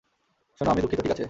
শুন, আমি দুঃখিত, ঠিক আছে।